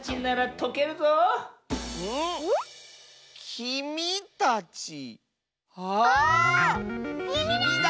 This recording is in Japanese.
「きみ」だ！